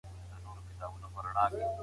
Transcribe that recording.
ایا مولده پانګه د تولید لامل کیږي؟